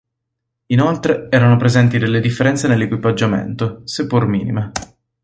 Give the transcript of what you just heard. Inoltre, erano presenti delle differenze nell'equipaggiamento, seppur minime.